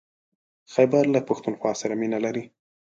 خيبر له پښتونخوا سره مينه لري.